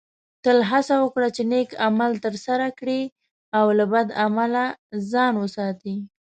تل هڅه وکړه چې نیک عمل ترسره کړې او له بد عمله ځان وساتې